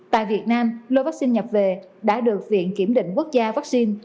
tại việt nam lô vaccine nhập về đã được viện kiểm định quốc gia vaccine